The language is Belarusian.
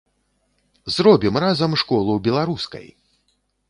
Зробім разам школу беларускай!